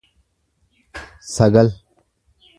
sagal